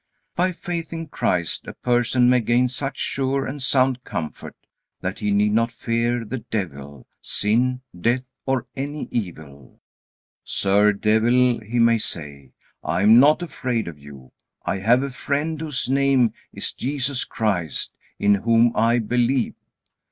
By faith in Christ a person may gain such sure and sound comfort, that he need not fear the devil, sin, death, or any evil. "Sir Devil," he may say, "I am not afraid of you. I have a Friend whose name is Jesus Christ, in whom I believe.